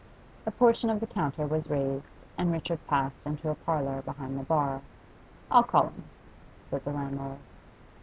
A portion of the counter was raised, and Richard passed into a parlour behind the bar. 'I'll call him,' said the landlord.